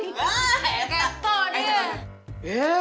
wah kato dia